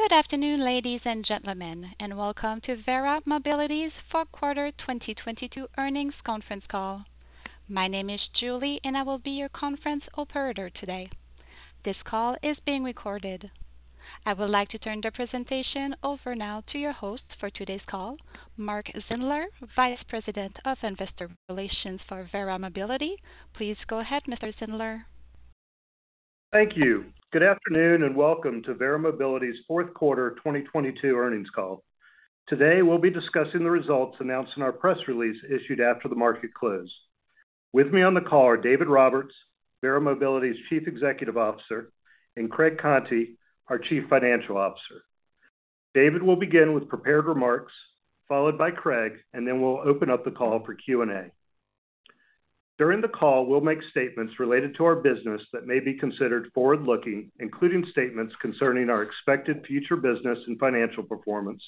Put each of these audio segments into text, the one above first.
Good afternoon, ladies and gentlemen, welcome to Verra Mobility's fourth quarter 2022 earnings conference call. My name is Julie, I will be your conference operator today. This call is being recorded. I would like to turn the presentation over now to your host for today's call, Mark Zindler, Vice President of Investor Relations for Verra Mobility. Please go ahead, Mr. Zindler. Thank you. Good afternoon, welcome to Verra Mobility's fourth quarter 2022 Earnings Call. Today, we'll be discussing the results announced in our press release issued after the market closed. With me on the call are David Roberts, Verra Mobility's Chief Executive Officer, Craig Conti, our Chief Financial Officer. David will begin with prepared remarks, followed by Craig, then we'll open up the call for Q&A. During the call, we'll make statements related to our business that may be considered forward-looking, including statements concerning our expected future business and financial performance,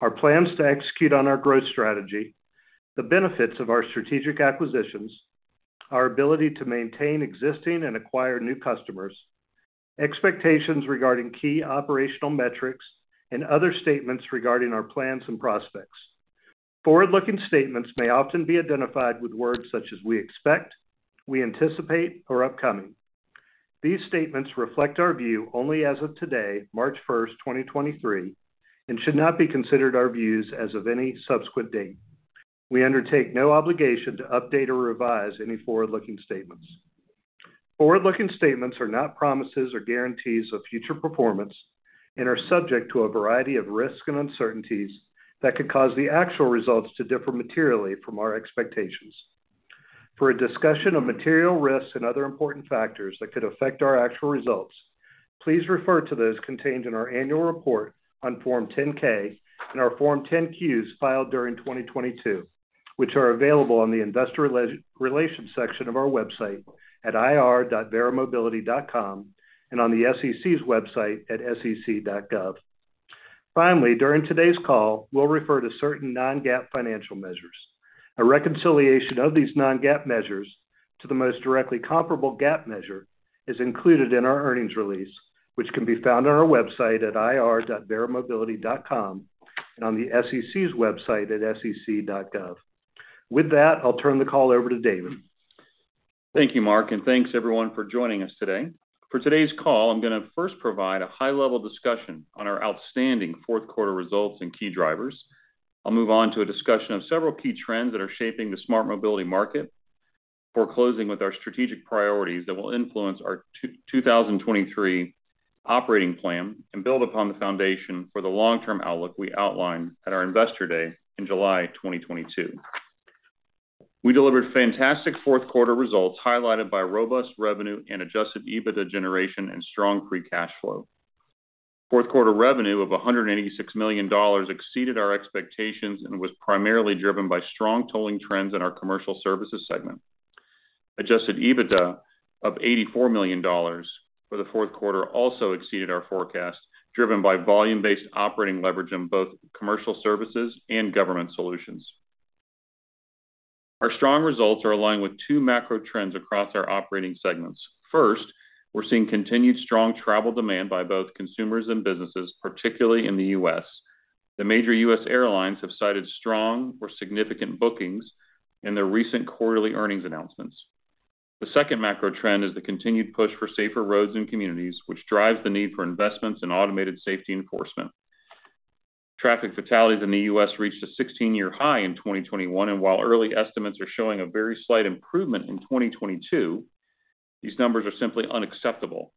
our plans to execute on our growth strategy, the benefits of our strategic acquisitions, our ability to maintain existing and acquire new customers, expectations regarding key operational metrics, other statements regarding our plans and prospects. Forward-looking statements may often be identified with words such as "we expect," "we anticipate," or "upcoming." These statements reflect our view only as of today, March first, 2023, should not be considered our views as of any subsequent date. We undertake no obligation to update or revise any forward-looking statements. Forward-looking statements are not promises or guarantees of future performance and are subject to a variety of risks and uncertainties that could cause the actual results to differ materially from our expectations. For a discussion of material risks and other important factors that could affect our actual results, please refer to those contained in our annual report on Form 10-K and our Form 10-Qs filed during 2022, which are available on the investor relations section of our website at ir.verramobility.com and on the SEC's website at sec.gov. During today's call, we'll refer to certain non-GAAP financial measures. A reconciliation of these non-GAAP measures to the most directly comparable GAAP measure is included in our earnings release, which can be found on our website at ir.verramobility.com and on the SEC's website at sec.gov. With that, I'll turn the call over to David. Thank you, Mark, thanks everyone for joining us today. For today's call, I'm gonna first provide a high-level discussion on our outstanding fourth quarter results and key drivers. I'll move on to a discussion of several key trends that are shaping the smart mobility market before closing with our strategic priorities that will influence our 2023 operating plan and build upon the foundation for the long-term outlook we outlined at our Investor Day in July 2022. We delivered fantastic fourth quarter results, highlighted by robust revenue and adjusted EBITDA generation and strong free cash flow. Fourth quarter revenue of $186 million exceeded our expectations and was primarily driven by strong tolling trends in our commercial services segment. Adjusted EBITDA of $84 million for the fourth quarter also exceeded our forecast, driven by volume-based operating leverage in both commercial services and government solutions. Our strong results are aligned with two macro trends across our operating segments. First, we're seeing continued strong travel demand by both consumers and businesses, particularly in the U.S. The major U.S. airlines have cited strong or significant bookings in their recent quarterly earnings announcements. The second macro trend is the continued push for safer roads and communities, which drives the need for investments in automated safety enforcement. Traffic fatalities in the U.S. reached a 16-year high in 2021, while early estimates are showing a very slight improvement in 2022, these numbers are simply unacceptable.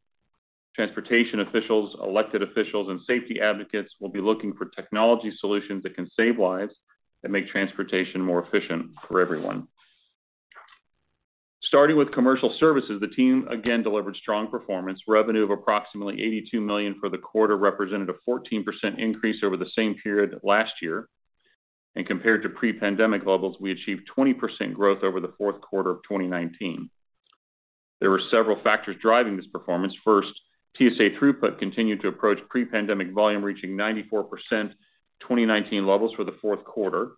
Transportation officials, elected officials, and safety advocates will be looking for technology solutions that can save lives and make transportation more efficient for everyone. Starting with commercial services, the team again delivered strong performance. Revenue of approximately $82 million for the quarter represented a 14% increase over the same period last year. Compared to pre-pandemic levels, we achieved 20% growth over the fourth quarter of 2019. There were several factors driving this performance. First, TSA throughput continued to approach pre-pandemic volume, reaching 94% 2019 levels for the fourth quarter.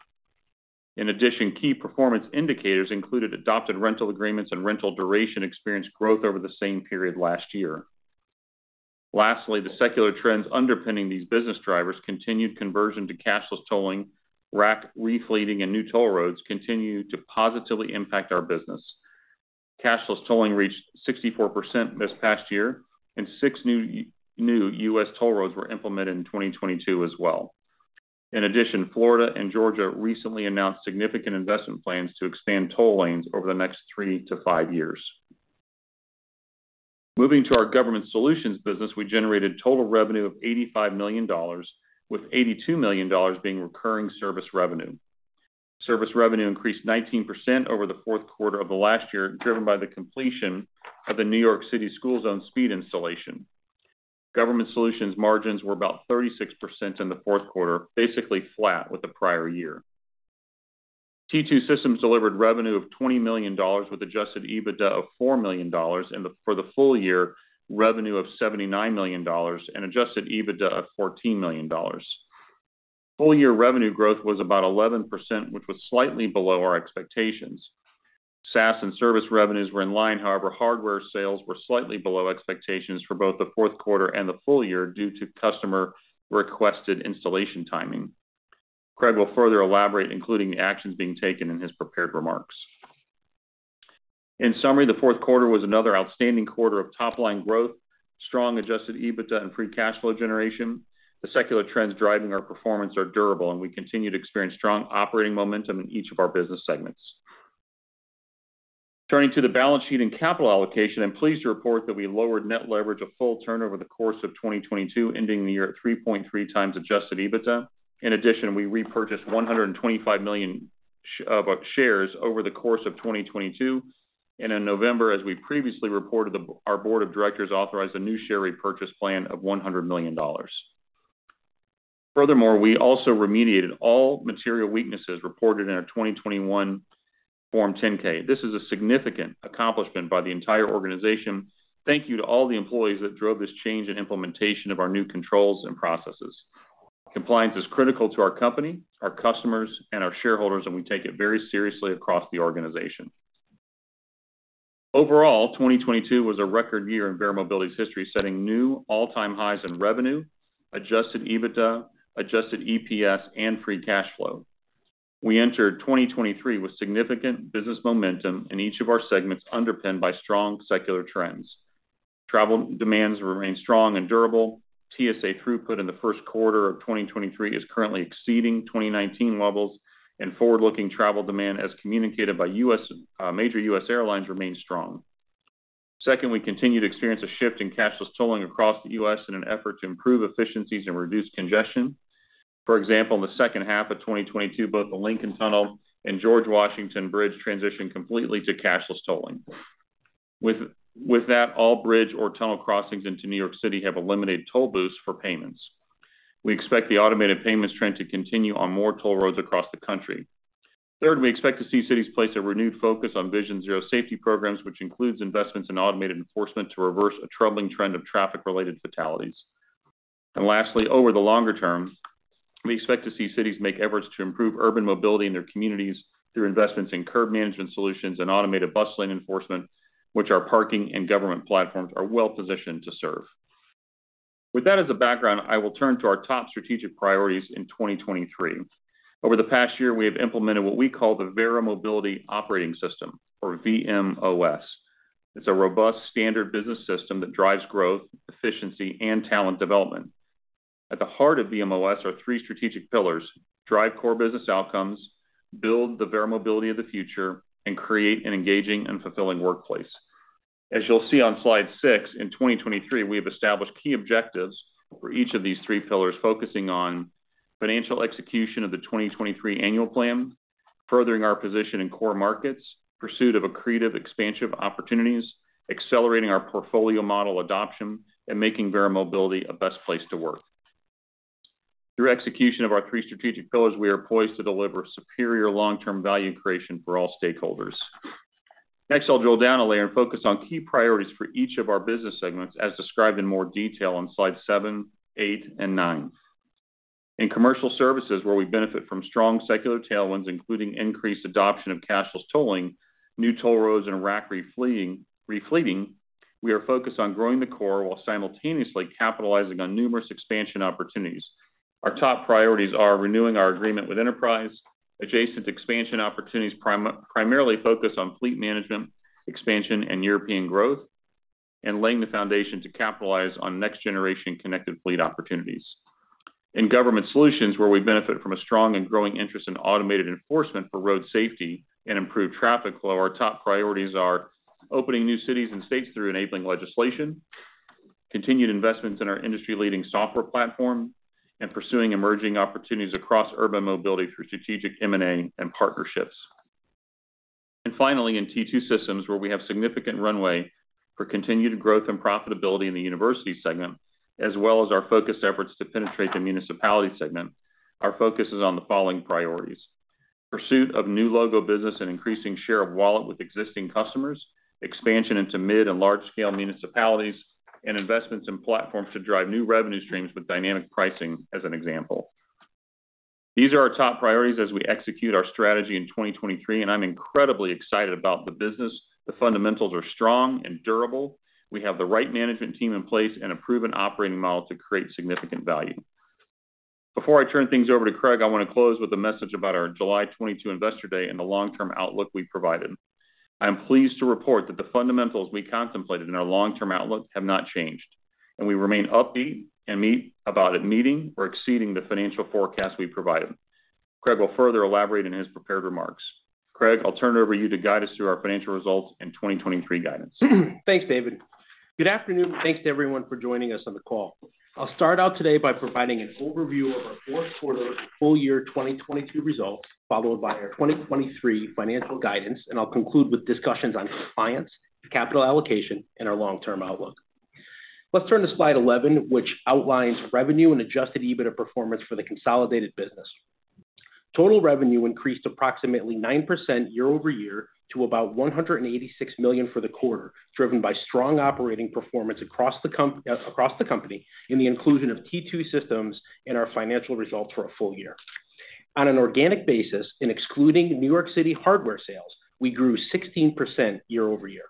In addition, key performance indicators included adopted rental agreements and rental duration experienced growth over the same period last year. Lastly, the secular trends underpinning these business drivers, continued conversion to cashless tolling, RAC refleeting, and new toll roads continued to positively impact our business. Cashless tolling reached 64% this past year, and six new U.S. toll roads were implemented in 2022 as well. In addition, Florida and Georgia recently announced significant investment plans to expand toll lanes over the next three to five years. Moving to our government solutions business, we generated total revenue of $85 million, with $82 million being recurring service revenue. Service revenue increased 19% over the fourth quarter of the last year, driven by the completion of the New York City school zone speed installation. Government solutions margins were about 36% in the fourth quarter, basically flat with the prior year. T2 Systems delivered revenue of $20 million with adjusted EBITDA of $4 million. For the full year, revenue of $79 million and adjusted EBITDA of $14 million. Full year revenue growth was about 11%, which was slightly below our expectations. SAS and service revenues were in line, hardware sales were slightly below expectations for both the fourth quarter and the full year due to customer requested installation timing. Craig will further elaborate, including the actions being taken in his prepared remarks. In summary, the fourth quarter was another outstanding quarter of top-line growth, strong adjusted EBITDA and free cash flow generation. The secular trends driving our performance are durable, we continue to experience strong operating momentum in each of our business segments. Turning to the balance sheet and capital allocation, I'm pleased to report that we lowered net leverage a full turnover the course of 2022, ending the year at 3.3 times adjusted EBITDA. We repurchased $125 million shares over the course of 2022. In November, as we previously reported, our board of directors authorized a new share repurchase plan of $100 million. Furthermore, we also remediated all material weaknesses reported in our 2021 Form 10-K. This is a significant accomplishment by the entire organization. Thank you to all the employees that drove this change and implementation of our new controls and processes. Compliance is critical to our company, our customers, and our shareholders, and we take it very seriously across the organization. Overall, 2022 was a record year in Verra Mobility's history, setting new all-time highs in revenue, adjusted EBITDA, adjusted EPS, and free cash flow. We entered 2023 with significant business momentum in each of our segments underpinned by strong secular trends. Travel demands remain strong and durable. TSA throughput in the first quarter of 2023 is currently exceeding 2019 levels. Forward-looking travel demand, as communicated by US major US airlines, remain strong. Second, we continue to experience a shift in cashless tolling across the US in an effort to improve efficiencies and reduce congestion. For example, in the second half of 2022, both the Lincoln Tunnel and George Washington Bridge transitioned completely to cashless tolling. With that, all bridge or tunnel crossings into New York City have eliminated toll booths for payments. We expect the automated payments trend to continue on more toll roads across the country. Third, we expect to see cities place a renewed focus on Vision Zero safety programs, which includes investments in automated enforcement to reverse a troubling trend of traffic-related fatalities. Lastly, over the longer term, we expect to see cities make efforts to improve urban mobility in their communities through investments in curb management solutions and automated bus lane enforcement, which our parking and government platforms are well-positioned to serve. With that as a background, I will turn to our top strategic priorities in 2023. Over the past year, we have implemented what we call the Verra Mobility Operating System or VMOS. It's a robust standard business system that drives growth, efficiency, and talent development. At the heart of VMOS are three strategic pillars: drive core business outcomes, build the Verra Mobility of the future, and create an engaging and fulfilling workplace. As you'll see on slide six, in 2023, we have established key objectives for each of these three pillars, focusing on financial execution of the 2023 annual plan, furthering our position in core markets, pursuit of accretive expansion of opportunities, accelerating our portfolio model adoption, and making Verra Mobility a best place to work. Through execution of our three strategic pillars, we are poised to deliver superior long-term value creation for all stakeholders. I'll drill down a layer and focus on key priorities for each of our business segments, as described in more detail on slide seven, eight, and nine. In Commercial Services, where we benefit from strong secular tailwinds, including increased adoption of cashless tolling, new toll roads, and RAC refleeting, we are focused on growing the core while simultaneously capitalizing on numerous expansion opportunities. Our top priorities are renewing our agreement with Enterprise, adjacent expansion opportunities primarily focused on fleet management, expansion and European growth, and laying the foundation to capitalize on next-generation connected fleet opportunities. In government solutions, where we benefit from a strong and growing interest in automated enforcement for road safety and improved traffic flow, our top priorities are opening new cities and states through enabling legislation, continued investments in our industry-leading software platform, and pursuing emerging opportunities across urban mobility through strategic M&A and partnerships. Finally, in T2 Systems, where we have significant runway for continued growth and profitability in the university segment, as well as our focused efforts to penetrate the municipality segment, our focus is on the following priorities: pursuit of new logo business and increasing share of wallet with existing customers, expansion into mid and large scale municipalities, and investments in platforms to drive new revenue streams with dynamic pricing as an example. These are our top priorities as we execute our strategy in 2023, and I'm incredibly excited about the business. The fundamentals are strong and durable. We have the right management team in place and a proven operating model to create significant value. Before I turn things over to Craig, I wanna close with a message about our July 22 Investor Day and the long-term outlook we provided. I am pleased to report that the fundamentals we contemplated in our long-term outlook have not changed, and we remain upbeat about it meeting or exceeding the financial forecast we provided. Craig will further elaborate in his prepared remarks. Craig, I'll turn it over to you to guide us through our financial results and 2023 guidance. Thanks, David. Good afternoon, thanks to everyone for joining us on the call. I'll start out today by providing an overview of our fourth quarter full year 2022 results, followed by our 2023 financial guidance. I'll conclude with discussions on compliance, capital allocation, and our long-term outlook. Let's turn to slide 11, which outlines revenue and adjusted EBITDA performance for the consolidated business. Total revenue increased approximately 9% year-over-year to about $186 million for the quarter, driven by strong operating performance across the company in the inclusion of T2 Systems in our financial results for a full year. On an organic basis, in excluding New York City hardware sales, we grew 16% year-over-year.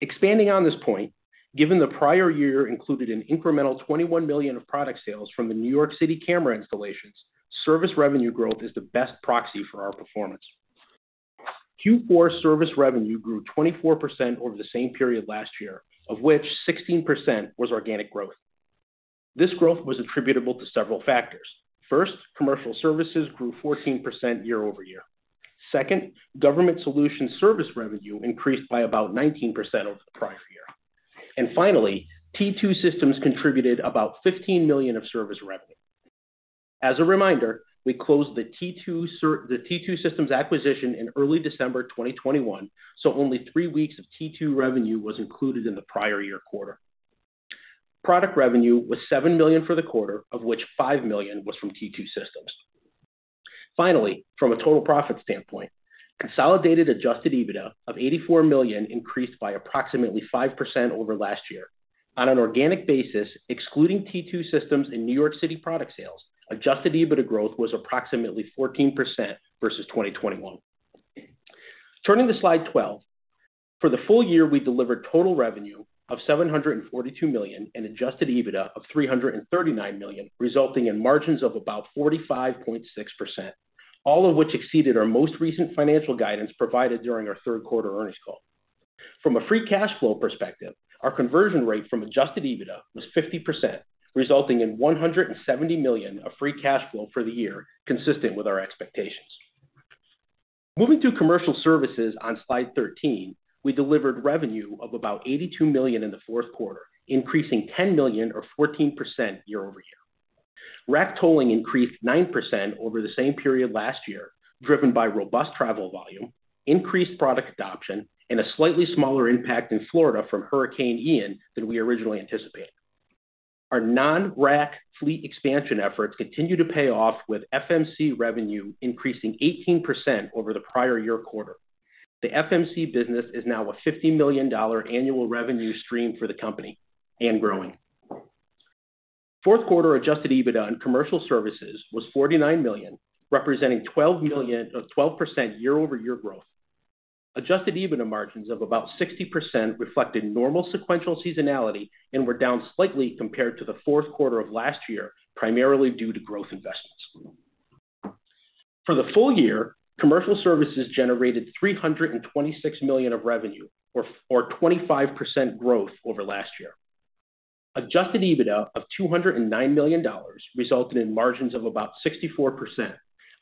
Expanding on this point, given the prior year included an incremental $21 million of product sales from the New York City camera installations, service revenue growth is the best proxy for our performance. Q4 service revenue grew 24% over the same period last year, of which 16% was organic growth. This growth was attributable to several factors. First, commercial services grew 14% year-over-year. Second, government solution service revenue increased by about 19% over the prior year. Finally, T2 Systems contributed about $15 million of service revenue. As a reminder, we closed the T2 Systems acquisition in early December 2021, so only three weeks of T2 revenue was included in the prior year quarter. Product revenue was $7 million for the quarter, of which $5 million was from T2 Systems. From a total profit standpoint, consolidated adjusted EBITDA of $84 million increased by approximately 5% over last year. On an organic basis, excluding T2 Systems in New York City product sales, adjusted EBITDA growth was approximately 14% versus 2021. Turning to slide 12, for the full year, we delivered total revenue of $742 million and adjusted EBITDA of $339 million, resulting in margins of about 45.6%, all of which exceeded our most recent financial guidance provided during our third quarter earnings call. From a free cash flow perspective, our conversion rate from adjusted EBITDA was 50%, resulting in $170 million of free cash flow for the year, consistent with our expectations. Moving to commercial services on slide 13, we delivered revenue of about $82 million in the fourth quarter, increasing $10 million or 14% year-over-year. RAC tolling increased 9% over the same period last year, driven by robust travel volume, increased product adoption, and a slightly smaller impact in Florida from Hurricane Ian than we originally anticipated. Our non-RAC fleet expansion efforts continue to pay off with FMC revenue increasing 18% over the prior year quarter. The FMC business is now a $50 million annual revenue stream for the company and growing. Fourth quarter adjusted EBITDA on commercial services was $49 million, representing $12 million, or 12% year-over-year growth. Adjusted EBITDA margins of about 60% reflected normal sequential seasonality and were down slightly compared to the fourth quarter of last year, primarily due to growth investments. For the full year, commercial services generated $326 million of revenue or 25% growth over last year. Adjusted EBITDA of $209 million resulted in margins of about 64%,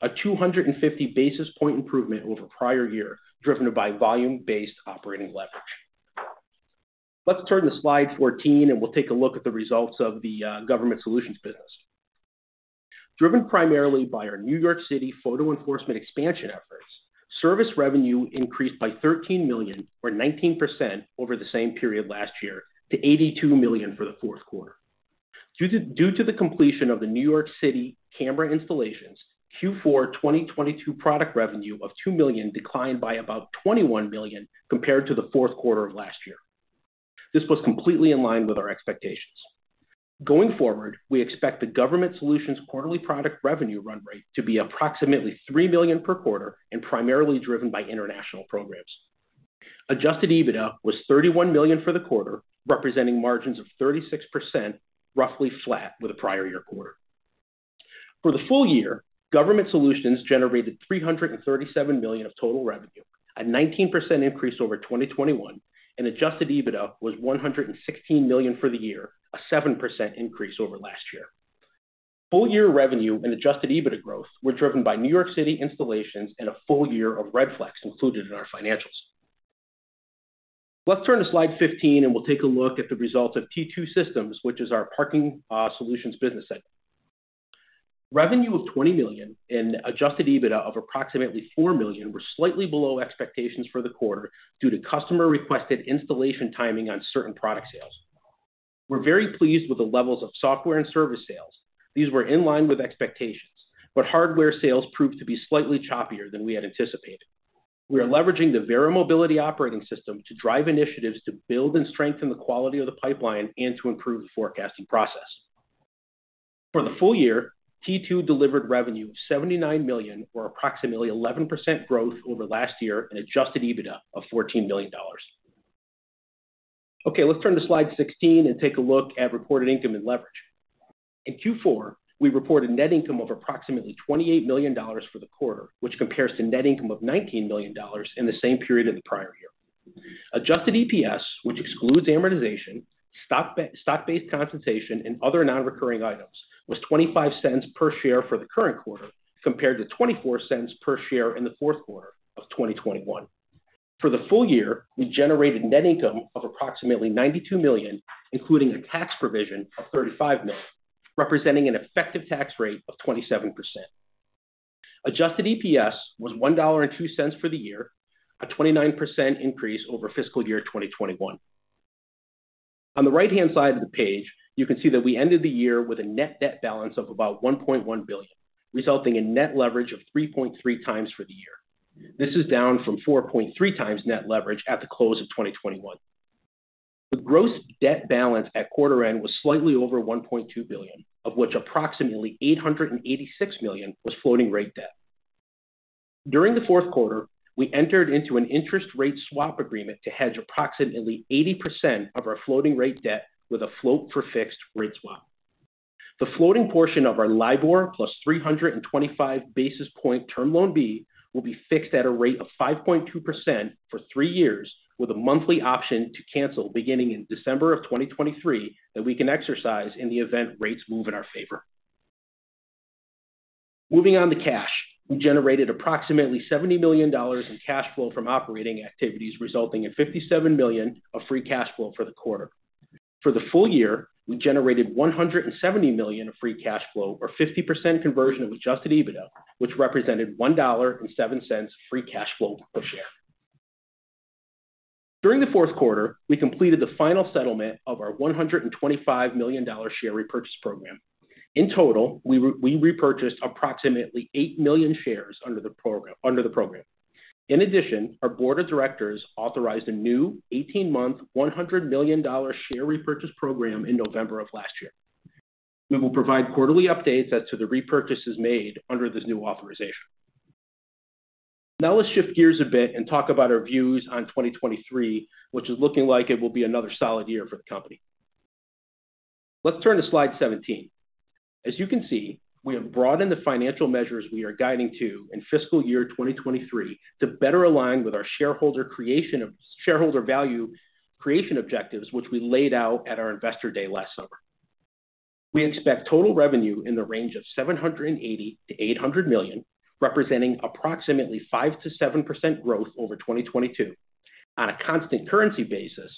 a 250 basis point improvement over prior year, driven by volume-based operating leverage. Let's turn to slide 14, and we'll take a look at the results of the government solutions business. Driven primarily by our New York City photo enforcement expansion efforts, service revenue increased by $13 million or 19% over the same period last year to $82 million for the fourth quarter. Due to the completion of the New York City camera installations, Q4 2022 product revenue of $2 million declined by about $21 million compared to the fourth quarter of last year. This was completely in line with our expectations. Going forward, we expect the Government Solutions quarterly product revenue run rate to be approximately $3 million per quarter and primarily driven by international programs. Adjusted EBITDA was $31 million for the quarter, representing margins of 36%, roughly flat with the prior year quarter. For the full year, Government Solutions generated $337 million of total revenue, a 19% increase over 2021. Adjusted EBITDA was $116 million for the year, a 7% increase over last year. Full year revenue and adjusted EBITDA growth were driven by New York City installations and a full year of Redflex included in our financials. Let's turn to slide 15, and we'll take a look at the results of T2 Systems, which is our parking solutions business segment. Revenue of $20 million and adjusted EBITDA of approximately $4 million were slightly below expectations for the quarter due to customer-requested installation timing on certain product sales. We're very pleased with the levels of software and service sales. These were in line with expectations, but hardware sales proved to be slightly choppier than we had anticipated. We are leveraging the Verra Mobility Operating System to drive initiatives to build and strengthen the quality of the pipeline and to improve the forecasting process. For the full year, T2 delivered revenue of $79 million or approximately 11% growth over last year, and adjusted EBITDA of $14 million. Okay, let's turn to slide 16 and take a look at reported income and leverage. In Q4, we reported net income of approximately $28 million for the quarter, which compares to net income of $19 million in the same period of the prior year. Adjusted EPS, which excludes amortization, stock-based compensation, and other non-recurring items, was $0.25 per share for the current quarter, compared to $0.24 per share in the fourth quarter of 2021. For the full year, we generated net income of approximately $92 million, including a tax provision of $35 million, representing an effective tax rate of 27%. Adjusted EPS was $1.02 for the year, a 29% increase over fiscal year 2021. On the right-hand side of the page, you can see that we ended the year with a net debt balance of about $1.1 billion, resulting in net leverage of 3.3 times for the year. This is down from 4.3x net leverage at the close of 2021. The gross debt balance at quarter end was slightly over $1.2 billion, of which approximately $886 million was floating rate debt. During the fourth quarter, we entered into an interest rate swap agreement to hedge approximately 80% of our floating rate debt with a float for fixed rate swap. The floating portion of our LIBOR plus 325 basis point Term Loan B will be fixed at a rate of 5.2% for three years, with a monthly option to cancel beginning in December of 2023 that we can exercise in the event rates move in our favor. Moving on to cash. We generated approximately $70 million in cash flow from operating activities, resulting in $57 million of free cash flow for the quarter. For the full year, we generated $170 million of free cash flow or 50% conversion of adjusted EBITDA, which represented $1.07 free cash flow per share. During the fourth quarter, we completed the final settlement of our $125 million share repurchase program. In total, we repurchased approximately 8 million shares under the program. In addition, our board of directors authorized a new 18-month, $100 million share repurchase program in November of last year. We will provide quarterly updates as to the repurchases made under this new authorization. Let's shift gears a bit and talk about our views on 2023, which is looking like it will be another solid year for the company. Let's turn to slide 17. As you can see, we have broadened the financial measures we are guiding to in fiscal year 2023 to better align with our shareholder value creation objectives, which we laid out at our Investor Day last summer. We expect total revenue in the range of $780 million-$800 million, representing approximately 5%-7% growth over 2022. On a constant currency basis,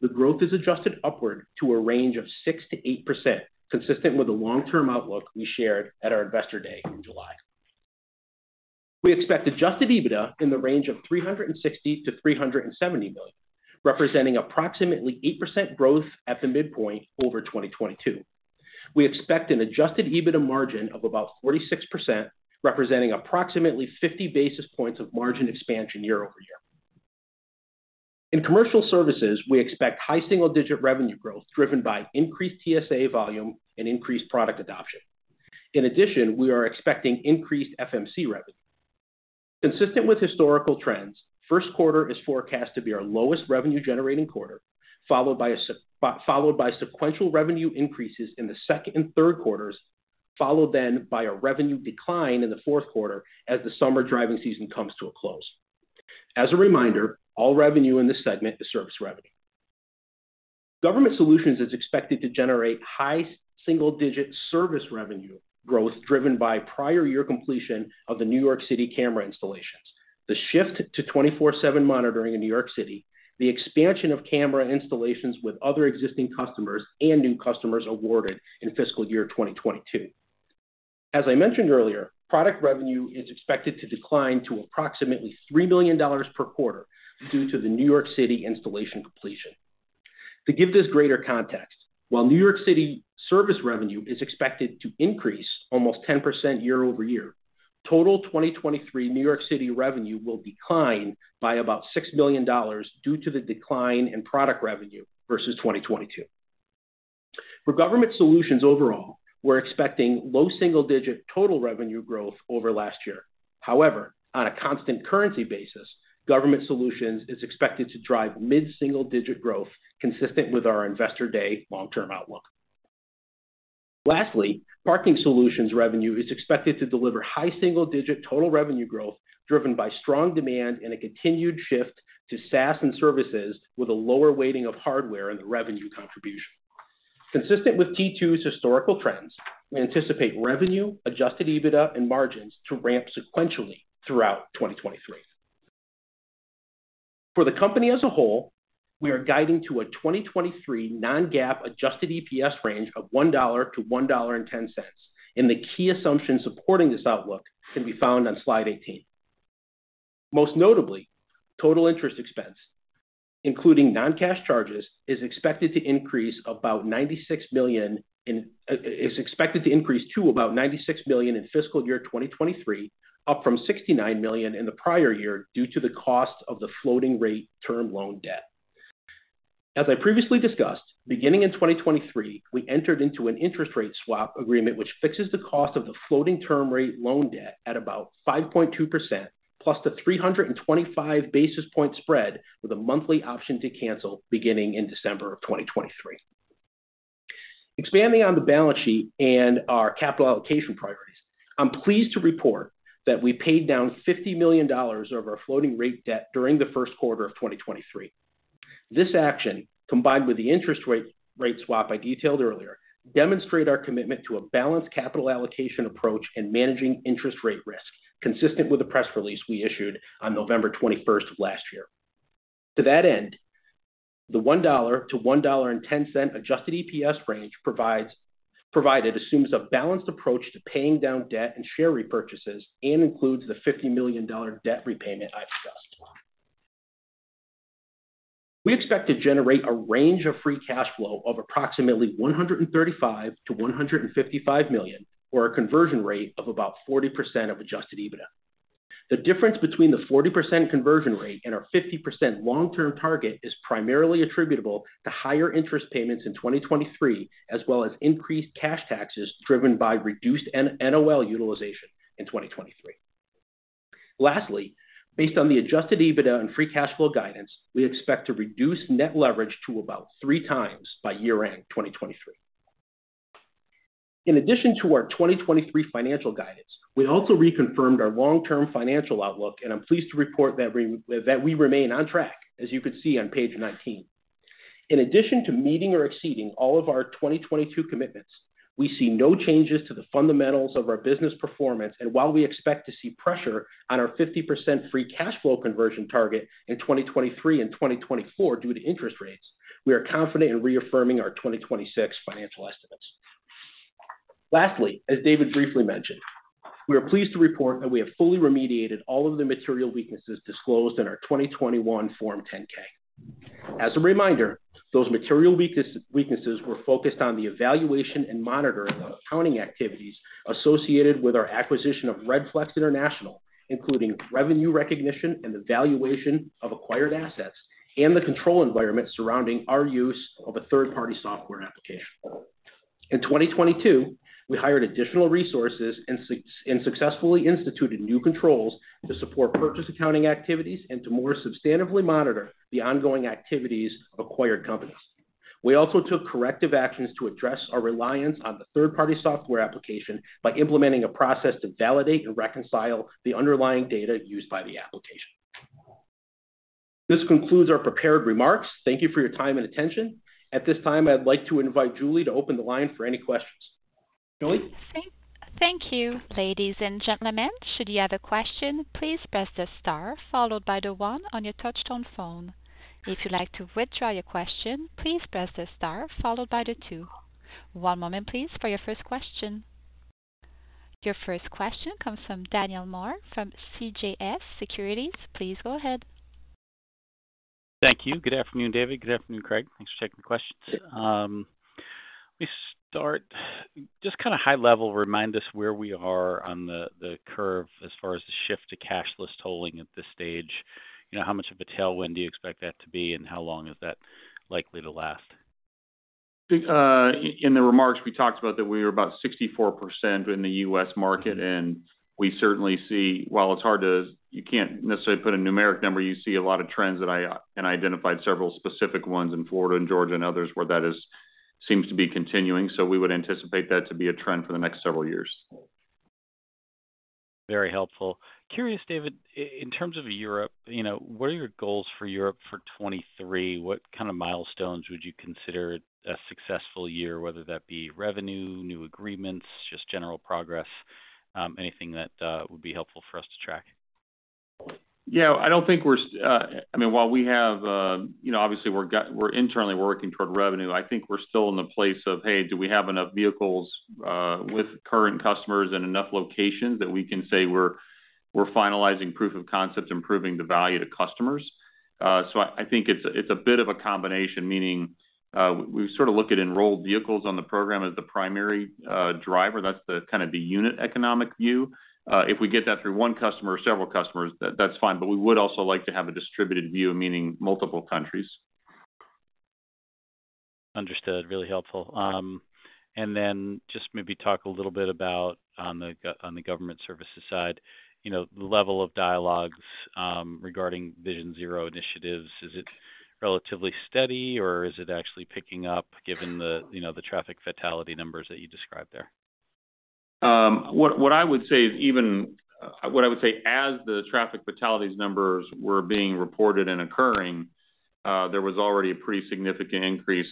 the growth is adjusted upward to a range of 6%-8%, consistent with the long-term outlook we shared at our Investor Day in July. We expect adjusted EBITDA in the range of $360 million-$370 million, representing approximately 8% growth at the midpoint over 2022. We expect an adjusted EBITDA margin of about 46%, representing approximately 50 basis points of margin expansion year-over-year. In commercial services, we expect high single-digit revenue growth driven by increased TSA volume and increased product adoption. In addition, we are expecting increased FMC revenue. Consistent with historical trends, first quarter is forecast to be our lowest revenue generating quarter, followed by sequential revenue increases in the second and third quarters, followed by a revenue decline in the fourth quarter as the summer driving season comes to a close. As a reminder, all revenue in this segment is service revenue. Government Solutions is expected to generate high single-digit service revenue growth driven by prior year completion of the New York City camera installations. The shift to 24/7 monitoring in New York City, the expansion of camera installations with other existing customers and new customers awarded in fiscal year 2022. As I mentioned earlier, product revenue is expected to decline to approximately $3 million per quarter due to the New York City installation completion. To give this greater context, while New York City service revenue is expected to increase almost 10% year-over-year, total 2023 New York City revenue will decline by about $6 million due to the decline in product revenue versus 2022. For Government Solutions overall, we're expecting low single-digit total revenue growth over last year. However, on a constant currency basis, Government Solutions is expected to drive mid-single digit growth consistent with our Investor Day long-term outlook. Lastly, Parking Solutions revenue is expected to deliver high single-digit total revenue growth driven by strong demand and a continued shift to SaaS and services with a lower weighting of hardware in the revenue contribution. Consistent with T-two's historical trends, we anticipate revenue, adjusted EBITDA and margins to ramp sequentially throughout 2023. For the company as a whole, we are guiding to a 2023 non-GAAP adjusted EPS range of $1.00-$1.10, and the key assumptions supporting this outlook can be found on slide 18. Most notably, total interest expense, including non-cash charges, is expected to increase to about $96 million in fiscal year 2023, up from $69 million in the prior year due to the cost of the floating rate term loan debt. As I previously discussed, beginning in 2023, we entered into an interest rate swap agreement, which fixes the cost of the floating term rate loan debt at about 5.2%, plus the 325 basis point spread with a monthly option to cancel beginning in December of 2023. Expanding on the balance sheet and our capital allocation priorities, I'm pleased to report that we paid down $50 million of our floating rate debt during the first quarter of 2023. This action, combined with the interest rate swap I detailed earlier, demonstrate our commitment to a balanced capital allocation approach and managing interest rate risk, consistent with the press release we issued on November 21st of last year. To that end, the $1.00-$1.10 adjusted EPS range provides assumes a balanced approach to paying down debt and share repurchases, and includes the $50 million debt repayment I've discussed. We expect to generate a range of free cash flow of approximately $135 million-$155 million, or a conversion rate of about 40% of adjusted EBITDA. The difference between the 40% conversion rate and our 50% long-term target is primarily attributable to higher interest payments in 2023, as well as increased cash taxes driven by reduced NOL utilization in 2023. Lastly, based on the adjusted EBITDA and free cash flow guidance, we expect to reduce net leverage to about three times by year-end 2023. In addition to our 2023 financial guidance, we also reconfirmed our long-term financial outlook. I'm pleased to report that we remain on track, as you can see on page 19. In addition to meeting or exceeding all of our 2022 commitments, we see no changes to the fundamentals of our business performance. While we expect to see pressure on our 50% free cash flow conversion target in 2023 and 2024 due to interest rates, we are confident in reaffirming our 2026 financial estimates. Lastly, as David briefly mentioned, we are pleased to report that we have fully remediated all of the material weaknesses disclosed in our 2021 Form 10-K. As a reminder, those material weaknesses were focused on the evaluation and monitoring of accounting activities associated with our acquisition of Redflex International, including revenue recognition and the valuation of acquired assets, and the control environment surrounding our use of a third-party software application. In 2022, we hired additional resources and successfully instituted new controls to support purchase accounting activities and to more substantively monitor the ongoing activities of acquired companies. We also took corrective actions to address our reliance on the third-party software application by implementing a process to validate and reconcile the underlying data used by the application. This concludes our prepared remarks. Thank you for your time and attention. At this time, I'd like to invite Julie to open the line for any questions. Julie? Thank you. Ladies and gentlemen, should you have a question, please press the star followed by the one on your touchtone phone. If you'd like to withdraw your question, please press the star followed by the two. One moment, please, for your first question. Your first question comes from Daniel Moore from CJS Securities. Please go ahead. Thank you. Good afternoon, David. Good afternoon, Craig. Thanks for taking the questions. Let me start just kind of high level, remind us where we are on the curve as far as the shift to cashless tolling at this stage. You know, how much of a tailwind do you expect that to be, and how long is that likely to last? In the remarks, we talked about that we were about 64% in the U.S. market. We certainly see while it's hard to, you can't necessarily put a numeric number, you see a lot of trends that I, and I identified several specific ones in Florida and Georgia and others where that seems to be continuing. We would anticipate that to be a trend for the next several years. Very helpful. Curious, David, in terms of Europe, you know, what are your goals for Europe for 2023? What kind of milestones would you consider a successful year, whether that be revenue, new agreements, just general progress, anything that would be helpful for us to track? Yeah. I don't think we're, I mean, while we have, you know, obviously, we're internally working toward revenue. I think we're still in the place of, hey, do we have enough vehicles with current customers and enough locations that we can say we're finalizing proof of concept and proving the value to customers? I think it's a bit of a combination, meaning, we sort of look at enrolled vehicles on the program as the primary driver. That's the kind of the unit economic view. If we get that through one customer or several customers, that's fine. We would also like to have a distributed view, meaning multiple countries. Understood. Really helpful. Just maybe talk a little bit about on the government services side, you know, the level of dialogues, regarding Vision Zero initiatives. Is it relatively steady, or is it actually picking up given the, you know, the traffic fatality numbers that you described there? What I would say as the traffic fatalities numbers were being reported and occurring, there was already a pretty significant increase,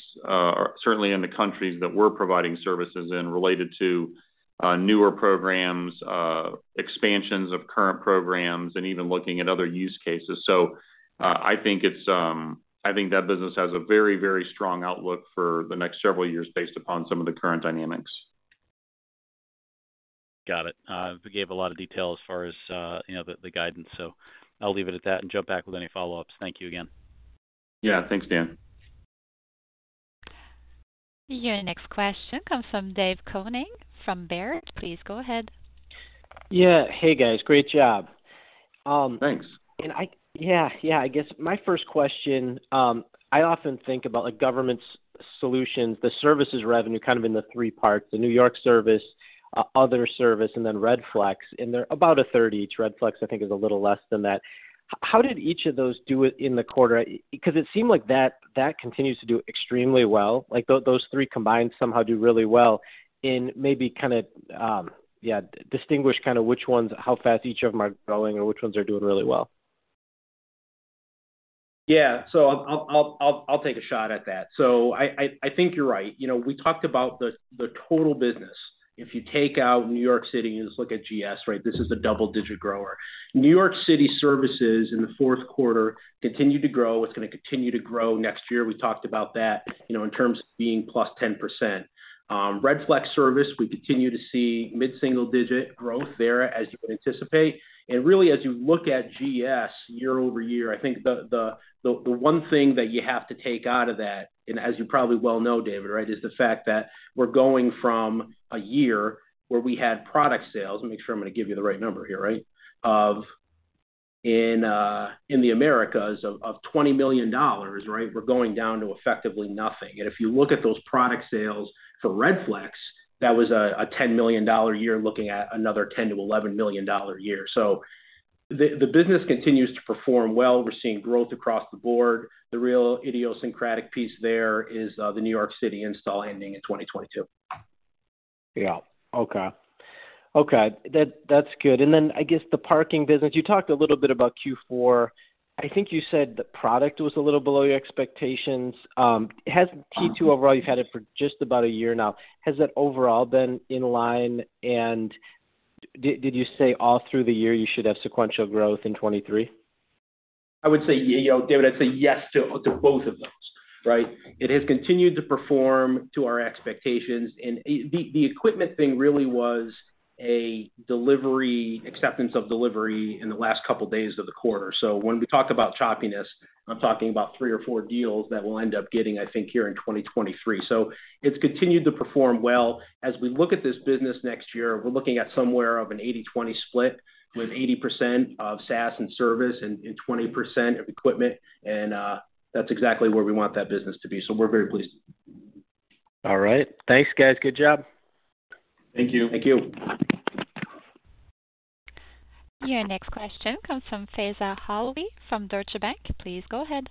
certainly in the countries that we're providing services in related to, newer programs, expansions of current programs, and even looking at other use cases. I think it's, I think that business has a very, very strong outlook for the next several years based upon some of the current dynamics. Got it. We gave a lot of detail as far as, you know, the guidance. I'll leave it at that and jump back with any follow-ups. Thank you again. Yeah. Thanks, Dan. Your next question comes from David Koning from Baird. Please go ahead. Yeah. Hey, guys. Great job. Thanks. I... Yeah, yeah. I guess my first question, I often think about like government solutions, the services revenue kind of in the three parts, the New York service, other service, and then Redflex, and they're about a third each. Redflex, I think, is a little less than that. How did each of those do it in the quarter? Because it seemed like that continues to do extremely well. Like, those three combined somehow do really well. Maybe kinda, yeah, distinguish kinda which ones, how fast each of them are growing or which ones are doing really well? I'll take a shot at that. I think you're right. You know, we talked about the total business. If you take out New York City and just look at GS, right, this is a double-digit grower. New York City services in the fourth quarter continued to grow. It's gonna continue to grow next year. We talked about that, you know, in terms of being +10%. Redflex service, we continue to see mid-single digit growth there as you would anticipate. Really, as you look at GS year-over-year, I think the one thing that you have to take out of that, and as you probably well know, David, right, is the fact that we're going from a year where we had product sales. Let me make sure I'm gonna give you the right number here, right? Of... In, in the Americas of $20 million, right? We're going down to effectively nothing. If you look at those product sales for Redflex, that was a $10 million year looking at another $10 million-$11 million year. The, the business continues to perform well. We're seeing growth across the board. The real idiosyncratic piece there is, the New York City install ending in 2022. Yeah. Okay. Okay. That's good. I guess the parking business, you talked a little bit about Q4. I think you said the product was a little below your expectations. Has T2 overall, you've had it for just about a year now, has that overall been in line, and did you say all through the year you should have sequential growth in 2023? I would say, you know, David, I'd say yes to both of those, right? It has continued to perform to our expectations. The equipment thing really was acceptance of delivery in the last couple of days of the quarter. When we talk about choppiness, I'm talking about three or four deals that we'll end up getting, I think, here in 2023. It's continued to perform well. As we look at this business next year, we're looking at somewhere of an 80/20 split, with 80% of SaaS and service and 20% of equipment. That's exactly where we want that business to be. We're very pleased. All right. Thanks, guys. Good job. Thank you. Thank you. Your next question comes from Faiza Alwy from Deutsche Bank. Please go ahead.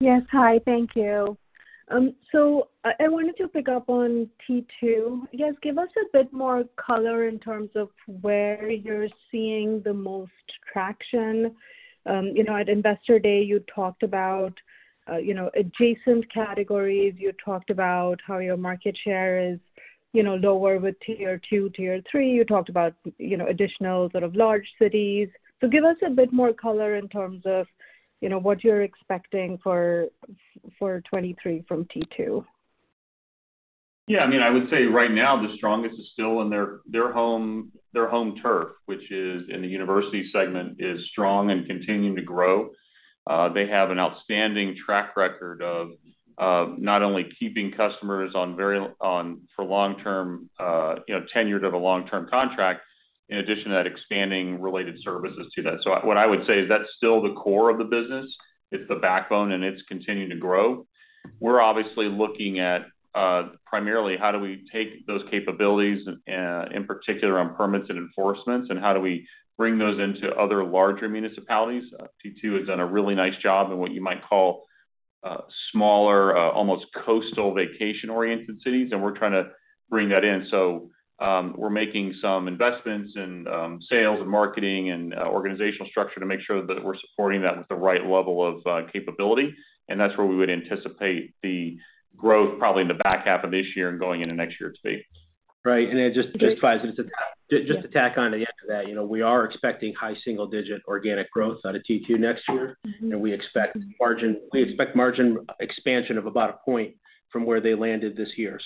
Yes. Hi, thank you. I wanted to pick up on T2. I guess give us a bit more color in terms of where you're seeing the most traction. You know, at Investor Day, you talked about, you know, adjacent categories. You talked about how your market share is, you know, lower with tier two, tier three. You talked about, you know, additional sort of large cities. Give us a bit more color in terms of, you know, what you're expecting for 2023 from T2. Yeah. I mean, I would say right now, the strongest is still in their home, their home turf, which is in the university segment, is strong and continuing to grow. They have an outstanding track record of not only keeping customers on for long-term, you know, tenured of a long-term contract, in addition to that, expanding related services to that. What I would say is that's still the core of the business. It's the backbone, and it's continuing to grow. We're obviously looking at, primarily how do we take those capabilities, in particular on permits and enforcements, and how do we bring those into other larger municipalities? T2 has done a really nice job in what you might call, smaller, almost coastal vacation-oriented cities, and we're trying to bring that in. We're making some investments in sales and marketing and organizational structure to make sure that we're supporting that with the right level of capability. That's where we would anticipate the growth probably in the back half of this year and going into next year to be. Right. just to tack onto the end of that, you know, we are expecting high single-digit organic growth out of T2 next year. Mm-hmm. We expect margin expansion of about 1 point from where they landed this year.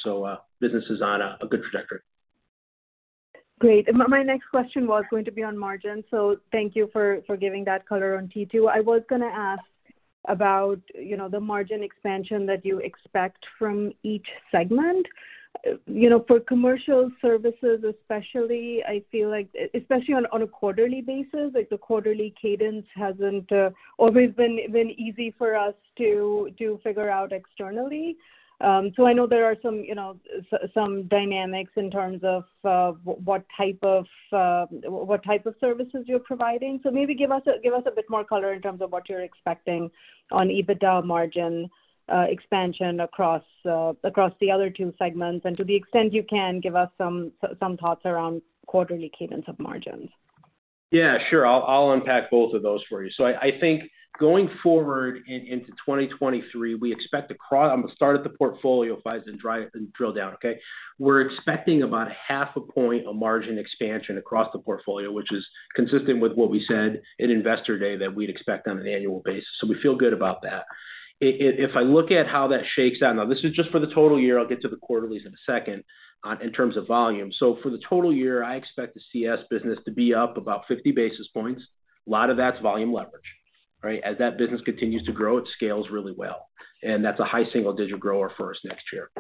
Business is on a good trajectory. Great. My next question was going to be on margin, so thank you for giving that color on T2. I was gonna ask about, you know, the margin expansion that you expect from each segment. You know, for commercial services, especially, I feel like on a quarterly basis, like the quarterly cadence hasn't always been easy for us to figure out externally. I know there are some, you know, some dynamics in terms of what type of services you're providing. Maybe give us a bit more color in terms of what you're expecting on EBITDA margin expansion across the other two segments. To the extent you can, give us some thoughts around quarterly cadence of margins. Yeah, sure. I'll unpack both of those for you. I think going forward into 2023, we expect to— I'm gonna start at the portfolio, Faiza, and drill down, okay? We're expecting about a half a point of margin expansion across the portfolio, which is consistent with what we said in Investor Day that we'd expect on an annual basis. We feel good about that. If I look at how that shakes out. Now, this is just for the total year. I'll get to the quarterlies in a second, in terms of volume. For the total year, I expect the CS business to be up about 50 basis points. A lot of that's volume leverage, right? As that business continues to grow, it scales really well. That's a high single-digit grower for us next year.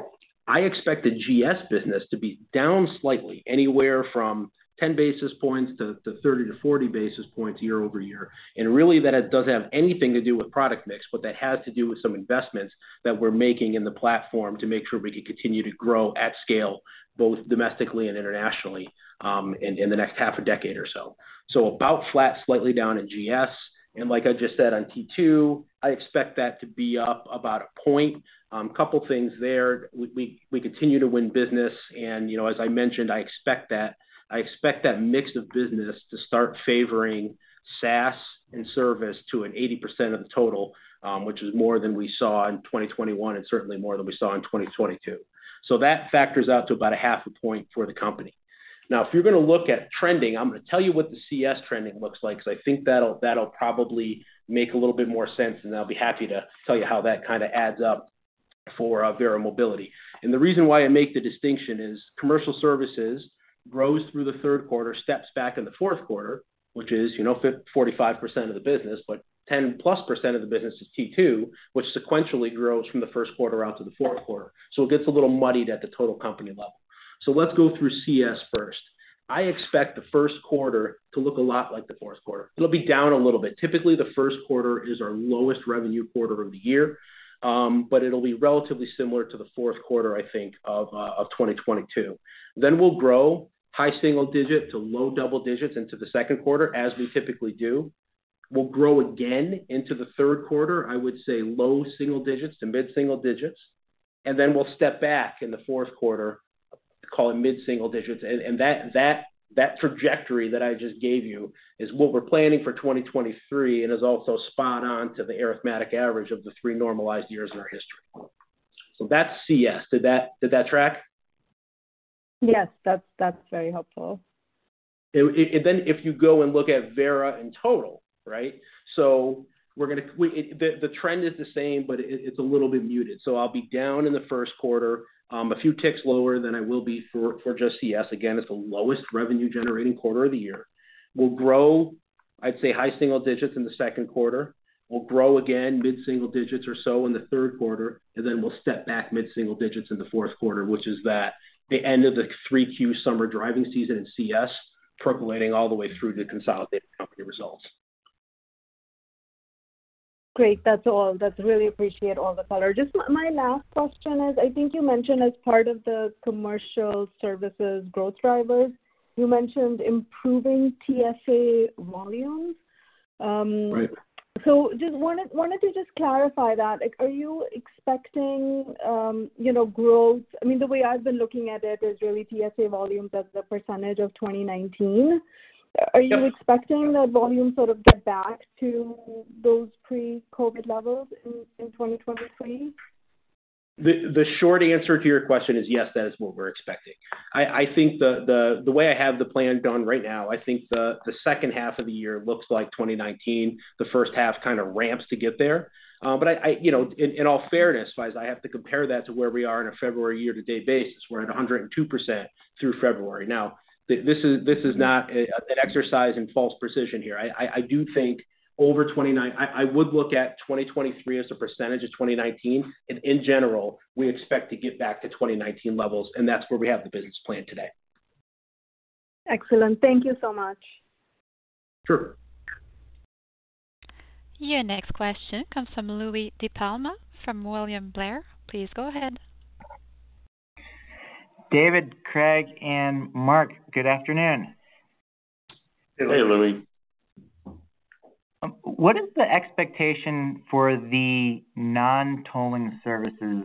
I expect the GS business to be down slightly, anywhere from 10 basis points to 30-40 basis points year-over-year. Really that doesn't have anything to do with product mix, but that has to do with some investments that we're making in the platform to make sure we can continue to grow at scale, both domestically and internationally, in the next half a decade or so. About flat, slightly down at GS. Like I just said on T2, I expect that to be up about 1 point. Couple things there. We continue to win business and, you know, as I mentioned, I expect that mix of business to start favoring SaaS and service to an 80% of the total, which is more than we saw in 2021 and certainly more than we saw in 2022. That factors out to about a half a point for the company. If you're gonna look at trending, I'm gonna tell you what the CS trending looks like, 'cause I think that'll probably make a little bit more sense, and I'll be happy to tell you how that kinda adds up for Verra Mobility. The reason why I make the distinction is commercial services grows through the third quarter, steps back in the fourth quarter, which is, you know, 45% of the business, but 10+% of the business is T2, which sequentially grows from the first quarter out to the fourth quarter. It gets a little muddied at the total company level. Let's go through CS first. I expect the first quarter to look a lot like the fourth quarter. It'll be down a little bit. Typically, the first quarter is our lowest revenue quarter of the year, but it'll be relatively similar to the fourth quarter, I think, of 2022. We'll grow high single digit to low double digits into the second quarter, as we typically do. We'll grow again into the third quarter, I would say low single digits to mid single digits, and then we'll step back in the fourth quarter, call it mid single digits. That trajectory that I just gave you is what we're planning for 2023, and is also spot on to the arithmetic average of the three normalized years in our history. That's CS. Did that track? Yes. That's very helpful. If you go and look at Verra in total, right? The trend is the same, but it's a little bit muted. I'll be down in the first quarter, a few ticks lower than I will be for just CS. Again, it's the lowest revenue generating quarter of the year. We'll grow, I'd say, high single digits in the second quarter. We'll grow again mid single digits or so in the third quarter, and then we'll step back mid single digits in the fourth quarter, which is that the end of the 3Q summer driving season in CS percolating all the way through to consolidated company results. Great. That's all. That's really appreciate all the color. Just my last question is, I think you mentioned as part of the commercial services growth drivers, you mentioned improving TSA volumes. Right. Just wanted to just clarify that. Like, are you expecting, you know, growth. I mean, the way I've been looking at it is really TSA volumes as the percentage of 2019. Are you expecting the volume sort of get back to those pre-COVID levels in 2023? The short answer to your question is yes, that is what we're expecting. I think the way I have the plan done right now, I think the second half of the year looks like 2019. The first half kind of ramps to get there. But you know, in all fairness, as far as I have to compare that to where we are in a February year-to-date basis, we're at 102% through February. Now, this is not an exercise in false precision here. I do think over 2019. I would look at 2023 as a percentage of 2019, in general, we expect to get back to 2019 levels, that's where we have the business plan today. Excellent. Thank you so much. Sure. Your next question comes from Louie DiPalma from William Blair. Please go ahead. David, Craig, and Mark, good afternoon. Hey, Louie. What is the expectation for the non-tolling services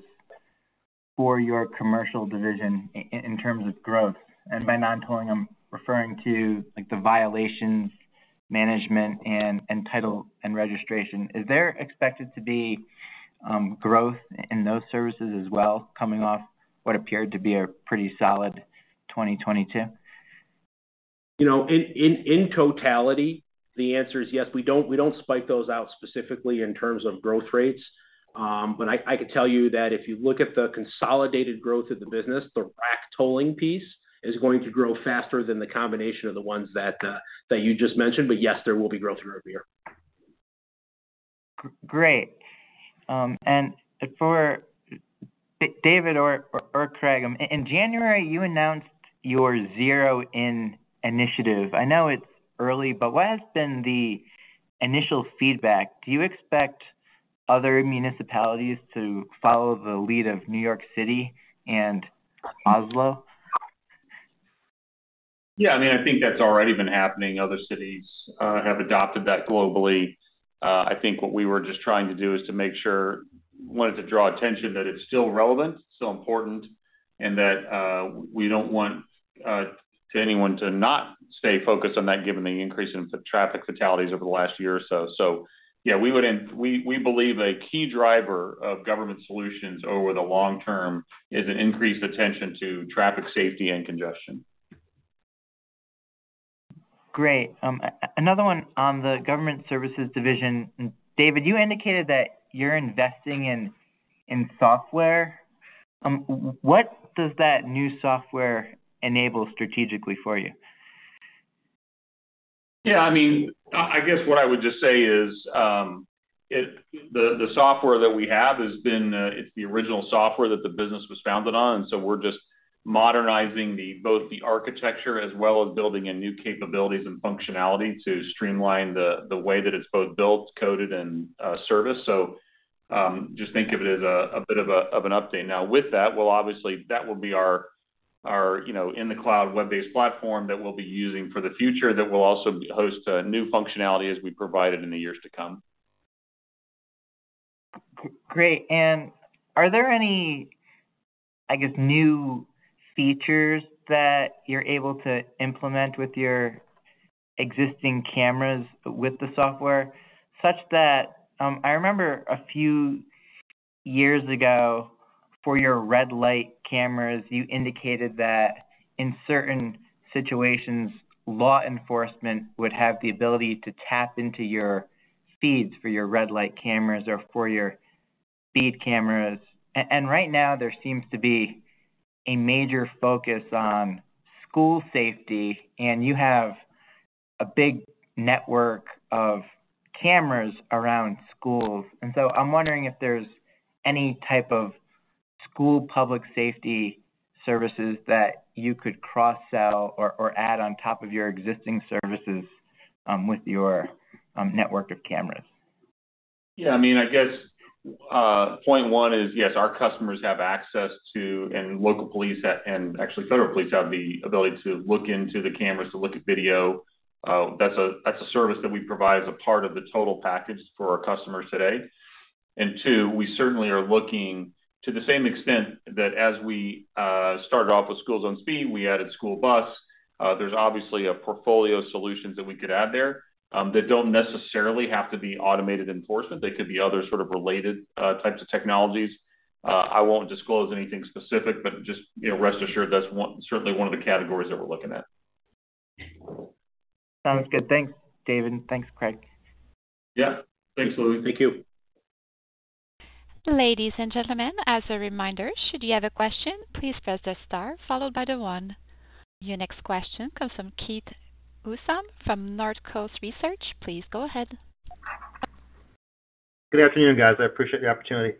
for your commercial division in terms of growth? By non-tolling, I'm referring to, like, the violations management and title and registration. Is there expected to be growth in those services as well coming off what appeared to be a pretty solid 2022? You know, in totality, the answer is yes. We don't spike those out specifically in terms of growth rates. I could tell you that if you look at the consolidated growth of the business, the RAC tolling piece is going to grow faster than the combination of the ones that you just mentioned. Yes, there will be growth through every year. Great. For David or Craig, in January, you announced your Zero In initiative. I know it's early, but what has been the initial feedback? Do you expect other municipalities to follow the lead of New York City and Oslo? Yeah. I mean, I think that's already been happening. Other cities have adopted that globally. I think what we were just trying to do is to make sure wanted to draw attention that it's still relevant, still important, and that we don't want to anyone to not stay focused on that given the increase in traffic fatalities over the last year or so. Yeah, we believe a key driver of government solutions over the long term is an increased attention to traffic safety and congestion. Great. Another one on the government services division. David, you indicated that you're investing in software. What does that new software enable strategically for you? Yeah, I mean, I guess what I would just say is, the software that we have has been, it's the original software that the business was founded on, so we're just modernizing the, both the architecture as well as building in new capabilities and functionality to streamline the way that it's both built, coded, and, serviced. Just think of it as a bit of a, of an update. With that, well, obviously that will be our, you know, in the cloud web-based platform that we'll be using for the future that will also host, new functionality as we provide it in the years to come. Great. Are there any, I guess, new features that you're able to implement with your existing cameras with the software such that, I remember a few years ago for your red light cameras, you indicated that in certain situations, law enforcement would have the ability to tap into your feeds for your red light cameras or for your speed cameras? Right now there seems to be a major focus on school safety, and you have a big network of cameras around schools. I'm wondering if there's any type of school public safety services that you could cross-sell or add on top of your existing services with your network of cameras? Yeah, I mean, I guess, point one is, yes, our customers have access to and local police and actually federal police have the ability to look into the cameras to look at video. That's a service that we provide as a part of the total package for our customers today and two we certainly are looking to the same extent that as we started off with school zone speed, we added school bus. There's obviously a portfolio of solutions that we could add there that don't necessarily have to be automated enforcement. They could be other sort of related types of technologies. I won't disclose anything specific, but just, you know, rest assured that's certainly one of the categories that we're looking at. Sounds good. Thanks, David. Thanks, Craig. Thanks, Louie. Thank you. Ladies and gentlemen, as a reminder, should you have a question, please press star followed by the one. Your next question comes from Keith Housum from Northcoast Research. Please go ahead. Good afternoon, guys. I appreciate the opportunity.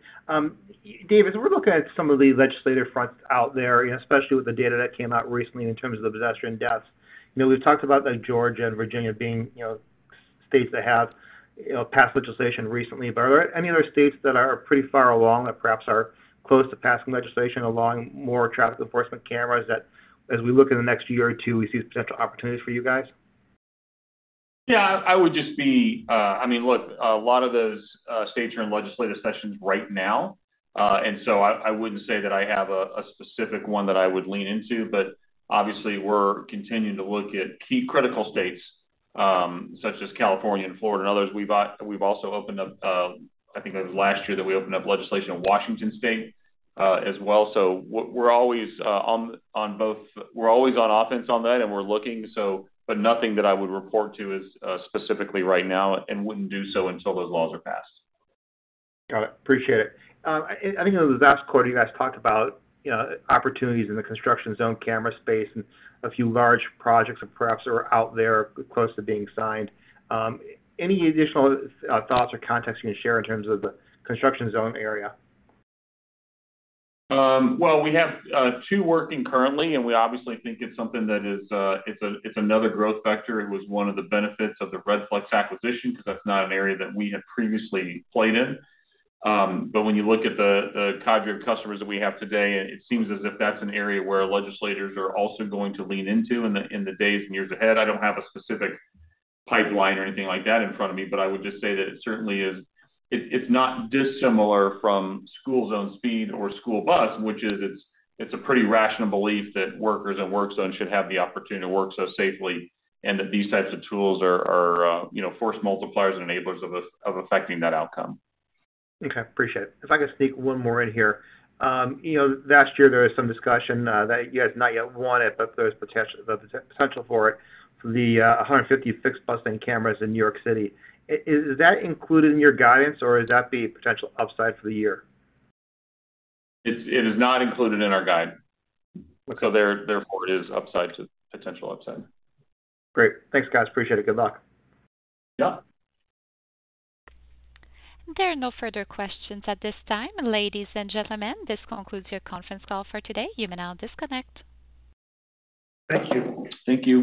David, as we're looking at some of the legislative fronts out there, especially with the data that came out recently in terms of the pedestrian deaths. You know, we've talked about like Georgia and Virginia being, you know, states that have, you know, passed legislation recently. Are there any other states that are pretty far along or perhaps are close to passing legislation allowing more traffic enforcement cameras that as we look in the next year or two, we see potential opportunities for you guys? Yeah, I would just be, I mean, look, a lot of those states are in legislative sessions right now. I wouldn't say that I have a specific one that I would lean into. Obviously we're continuing to look at key critical states, such as California and Florida and others. We've also opened up, I think it was last year that we opened up legislation in Washington State as well. We're always on offense on that and we're looking so. Nothing that I would report to is specifically right now and wouldn't do so until those laws are passed. Got it. Appreciate it. I think in the last quarter, you guys talked about, you know, opportunities in the construction zone camera space and a few large projects that perhaps are out there close to being signed. Any additional thoughts or context you can share in terms of the construction zone area? Well, we have two working currently, and we obviously think it's something that is another growth vector. It was one of the benefits of the Redflex acquisition because that's not an area that we had previously played in. When you look at the cadre of customers that we have today, it seems as if that's an area where legislators are also going to lean into in the, in the days and years ahead. I don't have a specific pipeline or anything like that in front of me, but I would just say that it certainly is... It's not dissimilar from school zone speed or school bus, which is, it's a pretty rational belief that workers in work zones should have the opportunity to work so safely, and that these types of tools are, you know, force multipliers and enablers of affecting that outcome. Okay. Appreciate it. If I could sneak one more in here. You know, last year there was some discussion, that you guys not yet won it, but there's the potential for it, for the 150 fixed bus lane cameras in New York City. Is that included in your guidance or is that the potential upside for the year? It is not included in our guide. Therefore, it is upside to potential upside. Great. Thanks, guys. Appreciate it. Good luck. Yeah. There are no further questions at this time. Ladies and gentlemen, this concludes your conference call for today. You may now disconnect. Thank you. Thank you.